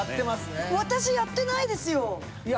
私やってないですよ。